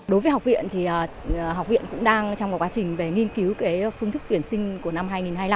đối với học viện thì học viện cũng đang trong một quá trình về nghiên cứu phương thức tuyển sinh của năm hai nghìn hai mươi năm